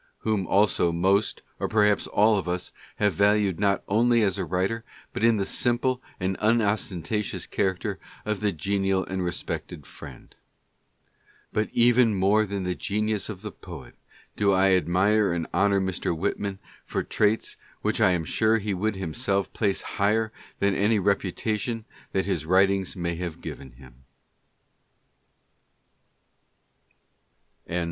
whom also most or perhaps all of us have valued not only as a writer, but in the simple and unostentatious character of the genial and respected friend. But even more than the genius of the poet do I admire and honor Mr. Whitman for traits which I am sure he would himself place higher than any reputation that his writings may have given him BY WIRE THEN, POSTSCRIPT Henry Irving, 71 Robert G.